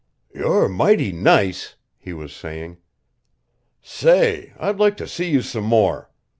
"You're mighty nice!" he was saying. "Say, I'd like to see you some more.